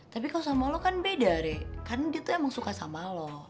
tapi kalo sama lo kan beda re karena dia tuh emang suka sama lo